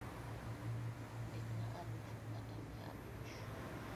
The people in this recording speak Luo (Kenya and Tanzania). Ndikna alufu kata mia abich.